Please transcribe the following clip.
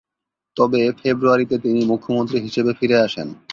তবে ফেব্রুয়ারিতে তিনি মুখ্যমন্ত্রী হিসেবে ফিরে আসেন।